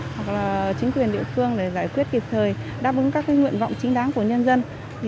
hoặc là chính quyền địa phương để giải quyết kịp thời đáp ứng các nguyện vọng chính đáng của nhân dân